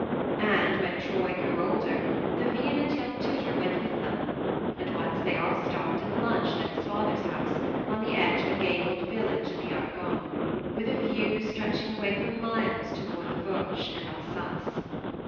And when Troy grew older the vehement young tutor went with them, and once they all stopped and lunched at his father's house, on the edge of a gabled village in the Argonne, with a view stretching away for miles toward the THE MARNE 9 Vosges and Alsace.